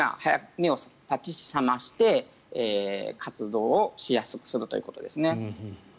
目をパチッと覚ませて活動をしやすくするということですね。